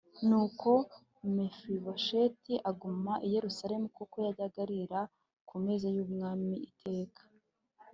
Nuko Mefibosheti aguma i Yerusalemu kuko yajyaga arira ku meza y’umwami iteka